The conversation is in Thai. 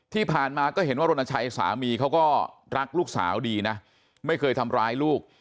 ที่ผ่านมาก็เห็นว่ารณชัยสามีเขาก็รักลูกสาวดีนะไม่เคยทำร้ายลูก